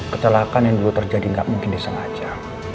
kecelakaan yang dulu terjadi nggak mungkin disengaja